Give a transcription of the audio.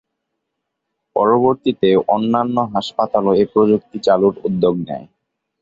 পরবর্তীতে অন্যান্য হাসপাতালও এ প্রযুক্তি চালুর উদ্যোগ নেয়।